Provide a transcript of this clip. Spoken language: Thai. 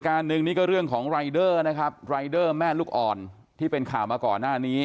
หนึ่งนี่ก็เรื่องของรายเดอร์นะครับรายเดอร์แม่ลูกอ่อนที่เป็นข่าวมาก่อนหน้านี้